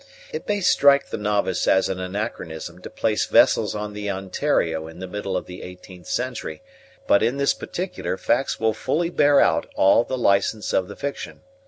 It may strike the novice as an anachronism to place vessels on the Ontario in the middle of the eighteenth century; but in this particular facts will fully bear out all the license of the fiction.